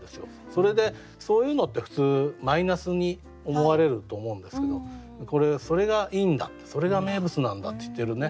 それでそういうのって普通マイナスに思われると思うんですけどこれそれがいいんだってそれが名物なんだって言ってるね